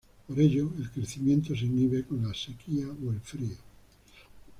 Por ello, el crecimiento se inhibe con la sequía o el frío.